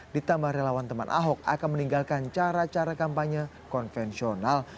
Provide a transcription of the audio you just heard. ditambah relawan teman ahok akan meninggalkan cara cara kampanye konvensional